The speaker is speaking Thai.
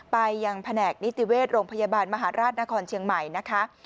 ไปยังแผนกนิติเวชโรงพยาบาลมหาราชนครเชียงใหม่นะคะ